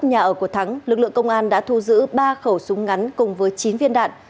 nhà ở của thắng lực lượng công an đã thu giữ ba khẩu súng ngắn cùng với chín viên đạn